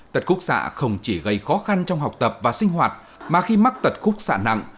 tật khúc xạ không chỉ gây khó khăn trong học tập và sinh hoạt mà khi mắc tật khúc xạ nặng